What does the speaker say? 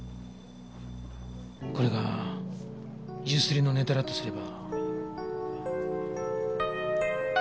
これが強請りのネタだとすれば。